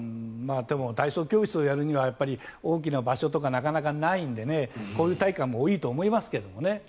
でも、体操教室をやるには大きな場所とかなかなかないのでこういう体育館も多いと思いますけどね。